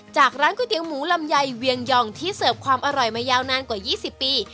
ร้านก๋วยเตี๋ยวหมูลำไยเวียงยองที่เสิร์ฟความอร่อยมายาวนานกว่า๒๐ปี